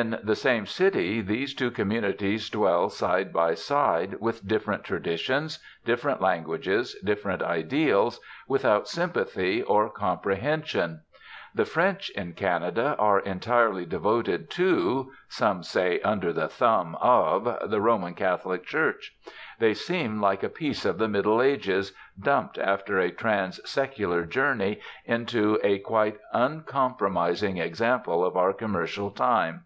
In the same city these two communities dwell side by side, with different traditions, different languages, different ideals, without sympathy or comprehension. The French in Canada are entirely devoted to some say under the thumb of the Roman Catholic Church. They seem like a piece of the Middle Ages, dumped after a trans secular journey into a quite uncompromising example of our commercial time.